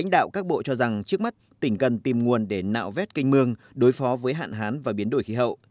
lãnh đạo các bộ cho rằng trước mắt tỉnh cần tìm nguồn để nạo vét canh mương đối phó với hạn hán và biến đổi khí hậu